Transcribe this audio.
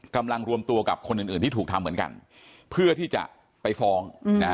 รวมตัวกับคนอื่นที่ถูกทำเหมือนกันเพื่อที่จะไปฟ้องนะฮะ